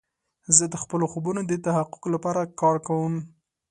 زه د خپلو خوبونو د تحقق لپاره کار کوم.